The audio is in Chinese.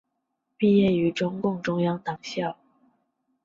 毕业于中共中央党校。